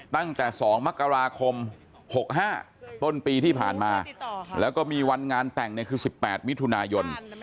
ตั้งแต่๒มกราคม๖๕ต้นปีที่ผ่านมาแล้วก็มีวันงานแต่งคือ๑๘มิถุนายน